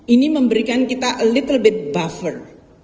ini memberikan kita little bit buffer